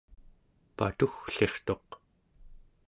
patugglirtuq